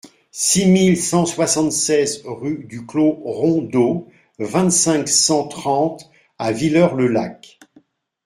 six mille cent soixante-seize rue du Clos Rondot, vingt-cinq, cent trente à Villers-le-Lac